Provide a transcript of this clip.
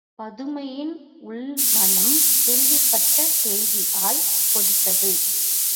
பதுமையின் உள்மனம், கேள்விப்பட்ட செய்தியால் கொதித்தது.